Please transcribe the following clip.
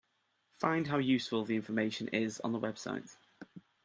Find how useful the information is on the website.